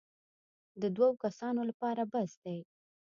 د دوو کسانو لپاره بس دی.